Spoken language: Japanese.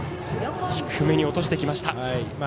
低めに落としてきました。